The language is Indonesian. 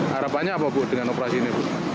harapannya apa bu dengan operasi ini